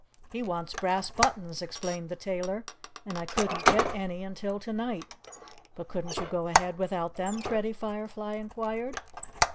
"He wants brass buttons," explained the tailor. "And I couldn't get any until to night." "But couldn't you go ahead without them?" Freddie Firefly inquired.